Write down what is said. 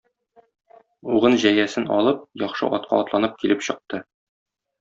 Угын-җәясен алып, яхшы атка атланып килеп чыкты.